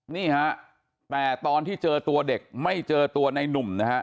นี่ฮะแต่ตอนที่เจอตัวเด็กไม่เจอตัวในนุ่มนะฮะ